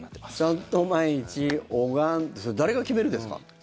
ちゃんと毎日拝んでそれ、誰が決めるんですか？